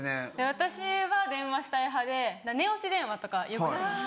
私は電話したい派で寝落ち電話とかよくします。